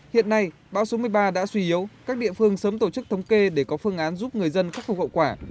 hiện nay bão số một mươi ba đã suy yếu các địa phương sớm tổ chức thống kê để có phương án giúp người dân khắc phục hậu quả